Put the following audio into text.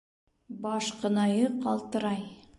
Башҡынайы ҡалтырай